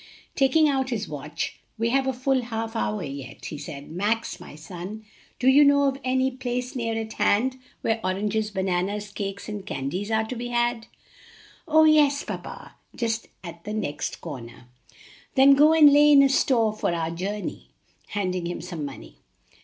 Taking out his watch, "We have a full half hour yet," he said. "Max, my son, do you know of any place near at hand where oranges, bananas, cakes, and candies are to be had?" "Oh, yes, papa! just at the next corner." "Then go and lay in a store for our journey," handing him some money.